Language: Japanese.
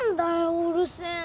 うるせえな。